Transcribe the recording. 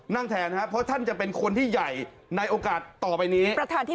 แทนครับเพราะท่านจะเป็นคนที่ใหญ่ในโอกาสต่อไปนี้